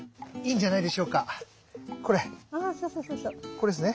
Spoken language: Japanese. これっすね。